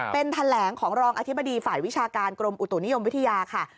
เป็นแถลงของรองอธิบดีฝ่ายวิชาการกรมอุตุนิยมวิทยาค่ะ